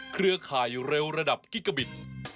เครือข่ายเร็วระดับกิกาบิต